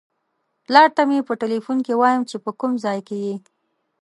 پلار ته مې په ټیلیفون کې وایم چې په کوم ځای کې یې.